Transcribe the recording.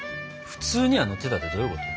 普通には乗ってたってどういうこと？